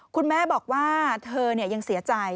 คุณแม่บอกว่าเธอยังเสียใจ